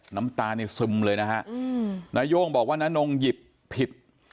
น้ำตานี่ซึมเลยนะฮะนาย่งบอกว่านานงหยิบผิด